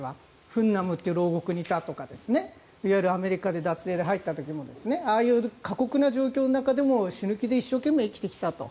興南という牢獄にいたとかいわゆるアメリカで脱税で入った時もああいう過酷な状況の中でも死ぬ気で一生懸命入ってきたと。